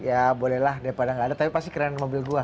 ya boleh lah daripada nggak ada tapi pasti keren mobil gua